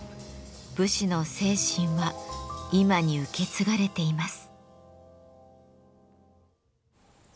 武士の精神は今に受け継がれています。